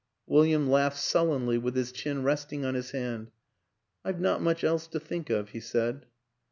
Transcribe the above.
William laughed sullenly with his chin resting on his hand. " I've not much else to think of," he said.